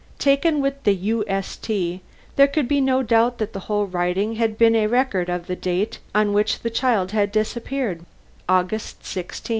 Taken with the "ust," there could be no doubt that the whole writing had been a record of the date on which the child had disappeared: August 16, 190